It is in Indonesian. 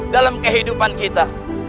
dalam kehidupan kita